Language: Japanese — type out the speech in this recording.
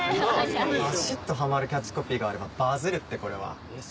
バシっとハマるキャッチコピーがあればバズるってこれは。